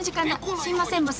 すいませんボス。